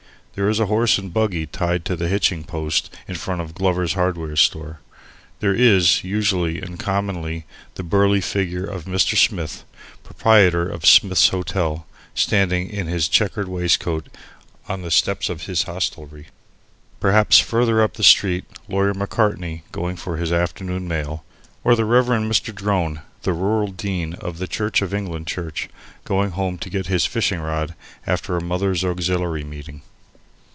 There is a horse and buggy tied to the hitching post in front of Glover's hardware store. There is, usually and commonly, the burly figure of Mr. Smith, proprietor of Smith's Hotel, standing in his chequered waistcoat on the steps of his hostelry, and perhaps, further up the street, Lawyer Macartney going for his afternoon mail, or the Rev. Mr. Drone, the Rural Dean of the Church of England Church, going home to get his fishing rod after a mothers' auxiliary meeting.